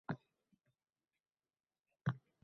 — She’r? Shoir deng?